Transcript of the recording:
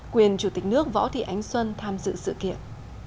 quyền chủ tịch nước võ thị ánh xuân tham dự sự kiện